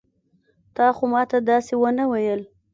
تا خو ما ته داسې ونه ويل.